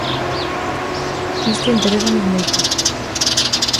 Isto interésanos moito.